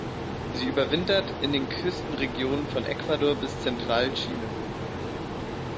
Sie überwintert in den Küstenregionen von Ecuador bis Zentralchile.